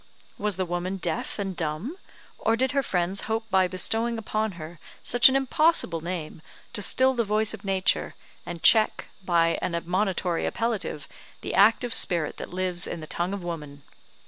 Was the woman deaf and dumb, or did her friends hope by bestowing upon her such an impossible name to still the voice of Nature, and check, by an admonitory appellative, the active spirit that lives in the tongue of woman?